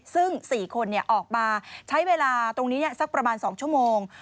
ซึ่ง๔คนออกมาใช้เวลาตรงนี้สักประมาณ๒ชั่วโมง